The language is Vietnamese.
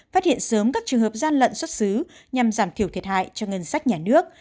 phát hiện sớm các trường hợp gian lận xuất xứ nhằm giảm thiểu thiệt hại cho ngân sách nhà nước